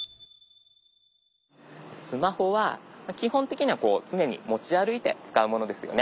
スマホは基本的にはこう常に持ち歩いて使うものですよね。